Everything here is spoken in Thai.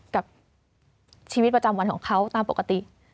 กับชีวิตประจำวันของเขาตามปกติ